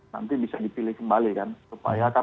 nanti bisa dipilih kembali kan